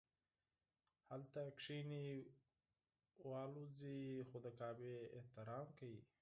هلته کښیني والوځي خو د کعبې احترام کوي.